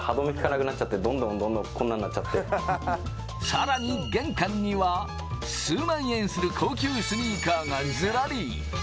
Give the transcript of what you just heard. さらに玄関には数万円する高級スニーカーがズラリ。